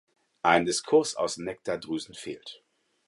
Ein Diskus aus Nektardrüsen fehlt.